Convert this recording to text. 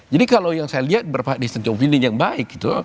jadi kalau yang saya lihat berpahak dissenting opinion yang baik